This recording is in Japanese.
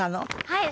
はい。